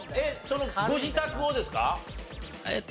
そのご自宅をですか？